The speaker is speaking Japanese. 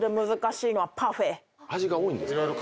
味が多いんですか？